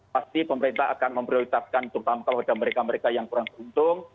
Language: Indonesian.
pasti pemerintah akan memprioritaskan terutama kalau ada mereka mereka yang kurang keuntung